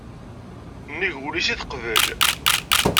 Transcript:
Nnig wul-is i t-teqbel.